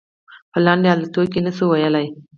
په لاندې حالاتو کې نشو ویلای.